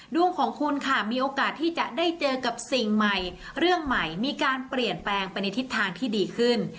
ดวงของคุณค่ะมีโอกาสที่จะได้เจอกับสิ่งใหม่เรื่องใหม่มีการเปลี่ยนแปลงไปในทิศทางที่ดีขึ้น